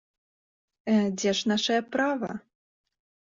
Дзе ж нашае права?